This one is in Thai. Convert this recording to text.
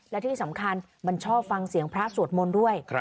และที่สำคัญมันชอบฟังเสียงพระสวดมนต์ด้วย